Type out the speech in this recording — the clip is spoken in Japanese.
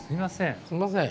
すみません。